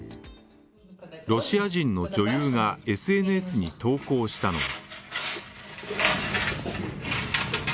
ロシア人の女優がＳＮＳに投稿したのは。